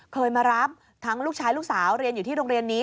เคยมารับทั้งลูกชายลูกสาวเรียนอยู่ที่โรงเรียนนี้